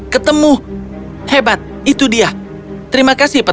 ketemu hebat itu dia terima kasih pertanyaan